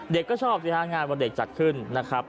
เด็กก็ชอบสิทธิ์งานวันเด็กจัดขึ้นนะครับ